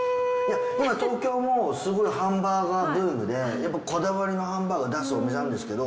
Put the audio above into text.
今東京もすごいハンバーガーブームでやっぱこだわりのハンバーガー出すお店なんですけど。